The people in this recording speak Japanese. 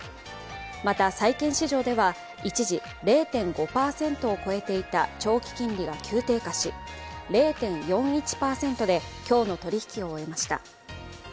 また、債券市場では一時０．５％を超えていた長期金利が急低下し、０．４１％で今日の取引を終えました。